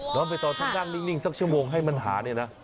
น้องไปต่อทางนิ่งสักชั่วโมงให้มันหาเนี่ยนะ